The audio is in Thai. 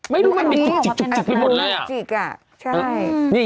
ไม่ดูมันเป็นจิกจิกที่หมดแล้วอะจิกอ่ะใช่